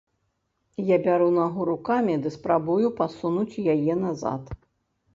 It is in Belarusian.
Я бяру нагу рукамі ды спрабую пасунуць яе назад.